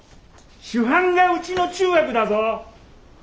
主犯がうちの中学だぞ！